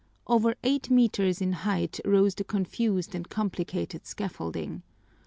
Over eight meters in height rose the confused and complicated scaffolding.